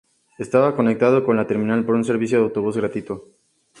Estaba conectado con la terminal por un servicio de autobús gratuito.